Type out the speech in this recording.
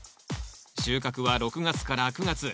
収穫は６月から９月。